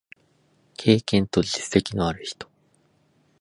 経験と実績のある人